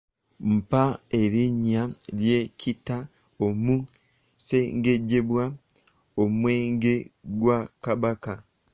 Mpa erinnya ly’ekita omusengejjebwa omwenge gwa Kabaka.